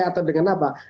atau dengan apa